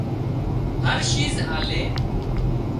هر شيز آلي